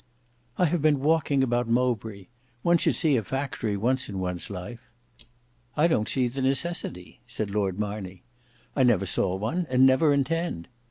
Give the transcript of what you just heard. "I have been walking about Mowbray. One should see a factory once in one's life." "I don't see the necessity," said Lord Marney; "I never saw one, and never intend.